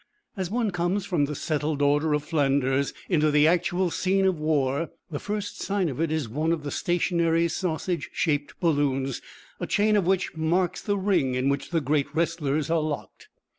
As one comes from the settled order of Flanders into the actual scene of war, the first sign of it is one of the stationary, sausage shaped balloons, a chain of which marks the ring in which the great wrestlers are locked.